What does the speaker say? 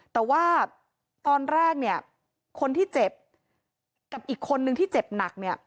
แต่ว่าตอนแรกเนี่ยคนที่เจ็บกับอีกคนนึงที่เจ็บหนักเนี่ย